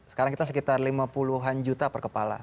sekarang kita sekitar lima puluh an juta per kepala